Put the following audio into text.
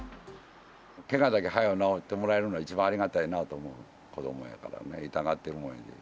けがだけはよう治ってもらえるのが一番ありがたいなと思う、子どもやからね、痛がってるもんだから。